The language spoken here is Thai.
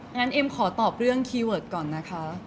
เอ็มขอตอบเรื่องคีย์เวิร์ดก่อนนะคะ